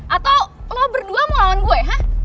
atau lo berdua mau lawan gue ya